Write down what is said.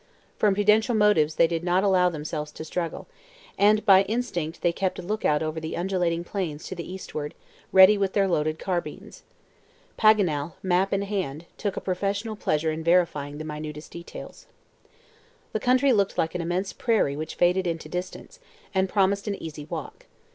From prudential motives they did not allow themselves to straggle, and by instinct they kept a look out over the undulating plains to the eastward, ready with their loaded carbines. Paganel, map in hand, took a professional pleasure in verifying the minutest details. The country looked like an immense prairie which faded into distance, and promised an easy walk.